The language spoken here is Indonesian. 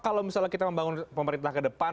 kalau misalnya kita membangun pemerintah ke depan